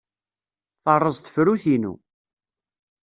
Terreẓ tefrut-inu.